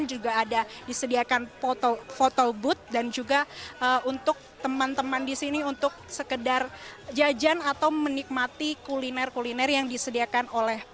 juga ada disediakan photo booth dan juga untuk teman teman di sini untuk sekedar jajan atau menikmati kuliner kuliner yang disediakan oleh